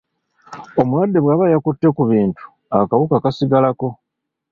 Omulwadde bw’aba yakutte ku bintu akawuka kasigalako.